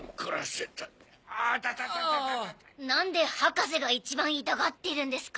何で博士が一番痛がってるんですか？